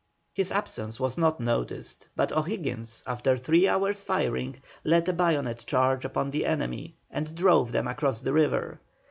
His absence was not noticed, but O'Higgins, after three hours' firing, led a bayonet charge upon the enemy, and drove them across the river.